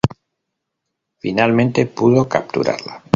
Finalmente pudo capturarla.